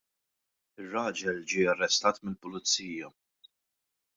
Ir-raġel ġie arrestat mill-pulizija.